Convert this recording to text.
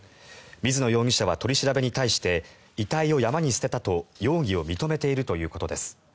水野容疑者は取り調べに対して遺体を山に捨てたと容疑を認めているということです。